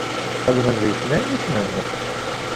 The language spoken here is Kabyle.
Xedmen deg-sen ayen i ssnen.